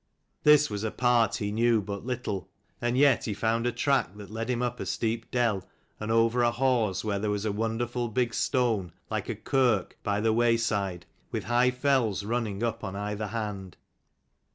This was a part he knew but little, and yet he found a track that led him up a steep dell and over a hause where was a wonderful big stone, like a kirk, by the way side, with high fells running up on either hand.